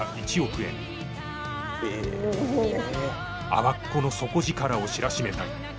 阿波っ子の底力を知らしめたい。